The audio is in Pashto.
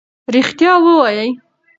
ریښتیا ووایئ.